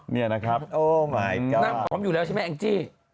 นี่นะครับโอ้ไหมก๊อดน้ำหอมอยู่แล้วใช่ไหมเอ็งจี้